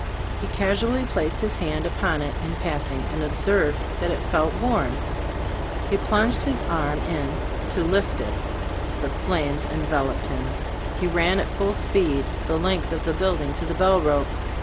He casually placed his hand upon it in passing, and ob serving that it felt warm, he plunged his arm in to lift it. The flames en veloped him. He ran at full speed the length of the building to the bell rope.